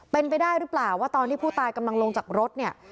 เป็นไปได้หรือเปล่าว่าตอนที่ผู้ตายกำลังลงจากรถเนี่ย